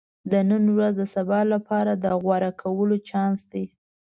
• د نن ورځ د سبا لپاره د غوره کولو چانس دی.